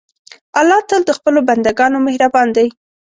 الله تل د خپلو بندهګانو مهربان دی.